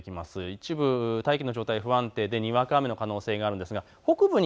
一部、大気の状態、不安定でにわか雨の可能性があります。